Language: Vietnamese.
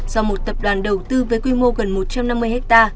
do một tập đoàn đầu tư với quy mô gần một trăm năm mươi ha